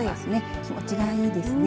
気持ちがいいですね。